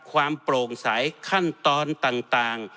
ความโปร่งใสขั้นตอนต่าง